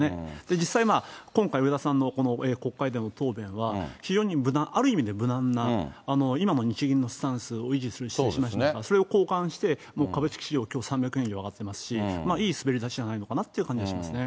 実際、今回、植田さんの国会での答弁は、非常に無難、ある意味で無難な、今の日銀のスタンスを維持するとしましたから、それを好感して、株式市場、きょう、３００円以上上がってますし、いい滑り出しじゃないのかなという感じがしますね。